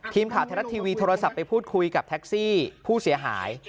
ทีมข่าวไทยรัฐทีวีโทรศัพท์ไปพูดคุยกับแท็กซี่ผู้เสียหาย